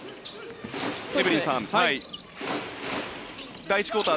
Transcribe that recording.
エブリンさん、第１クオーター